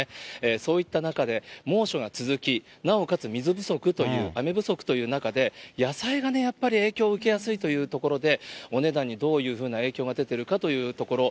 そういった中で、猛暑が続き、なおかつ水不足という、雨不足という中で、野菜がやっぱり影響を受けやすいというところで、お値段にどういうふうな影響が出てるかというところ。